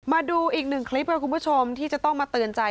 มาดูอีกหนึ่งคลิปค่ะคุณผู้ชมที่จะต้องมาเตือนใจ